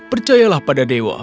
percayalah pada dewa